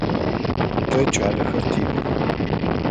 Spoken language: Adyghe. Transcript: Тэ кӏалэхэр тиӏ.